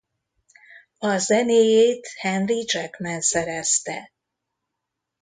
A zenéjét Henry Jackman szerezte.